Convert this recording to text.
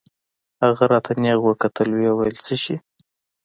هغه راته نېغ وکتل ويې ويل څه شى.